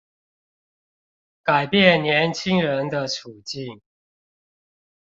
改變年輕人的處境